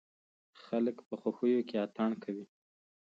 خلک په خوښيو کې اتڼ کوي.